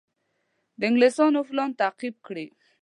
د انګلیسیانو پلان تعقیب کړي.